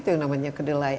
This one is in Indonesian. itu namanya kedelai